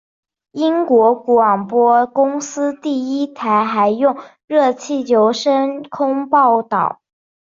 英国广播公司第一台还用热气球升空报导。